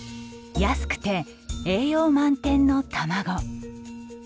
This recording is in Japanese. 安くて栄養満点の卵。